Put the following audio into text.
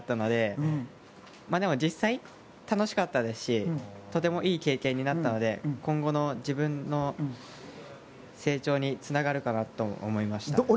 でも実際、楽しかったですしとてもいい経験になったので今後の自分の成長につながるかなと思いました。